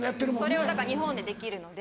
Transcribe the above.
それをだから日本でできるので。